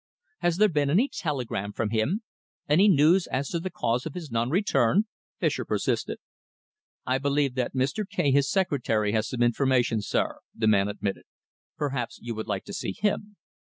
"Has there been any telegram from him? any news as to the cause of his non return?" Fischer persisted. "I believe that Mr. Kaye, his secretary, has some information, sir," the man admitted. "Perhaps you would like to see him."